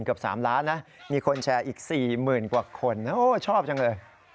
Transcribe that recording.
เกือบ๓ล้านนะมีคนแชร์อีก๔๐๐๐กว่าคนโอ้ชอบจังเลย